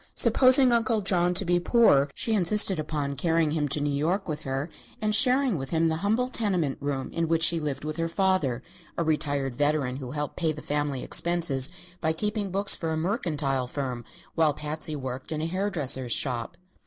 Supposing Uncle John to be poor, she insisted upon carrying him to New York with her and sharing with him the humble tenement room in which she lived with her father a retired veteran who helped pay the family expenses by keeping books for a mercantile firm, while Patsy worked in a hair dresser's shop.